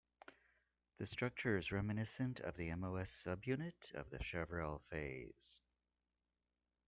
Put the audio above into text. The structure is reminiscent of the MoS subunit of the Chevrel phase.